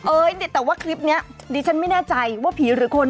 แต่ว่าคลิปนี้ดิฉันไม่แน่ใจว่าผีหรือคน